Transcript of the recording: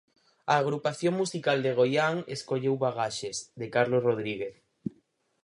A Agrupación Musical de Goián escolleu Bagaxes, de Carlos Rodríguez.